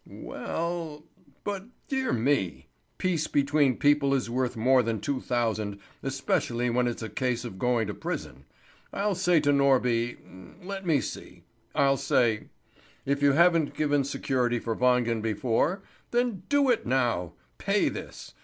"We ell But dear me! Peace between people is worth more than two thousand, especially when it's a case of going to prison. I'll say to Norby let me see I'll say: 'If you haven't given security for Wangen before, then do it now! Pay this!